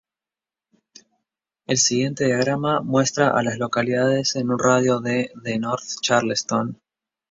El siguiente diagrama muestra a las localidades en un radio de de North Charleston.